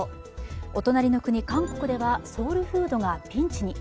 お隣の国、韓国ではソウルフードがピンチに。